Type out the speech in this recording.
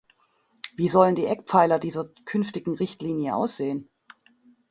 Wie sollen die Eckpfeiler dieser künftigen Richtlinie aussehen?